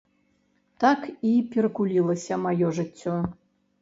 Так і перакулілася маё жыццё.